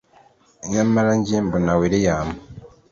nyamara njye mbona william